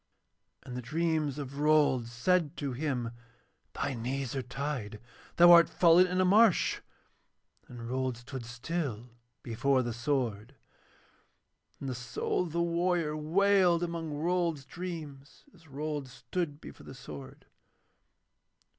And the dreams of Rold said to him: 'Thy knees are tied, thou art fallen in a marsh,' and Rold stood still before the sword. Then the soul of the warrior wailed among Rold's dreams, as Rold stood before the sword.